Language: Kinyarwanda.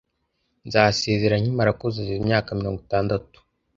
Nzasezera nkimara kuzuza imyaka mirongo itandatu.